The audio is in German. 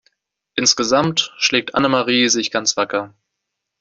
Insgesamt schlägt Annemarie sich ganz wacker.